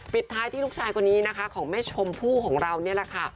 ปิดท้ายที่ลูกชายคนนี้นะคะของแม่ชมพู่ของเรานี่แหละค่ะ